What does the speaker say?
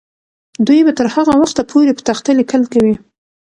دوی به تر هغه وخته پورې په تخته لیکل کوي.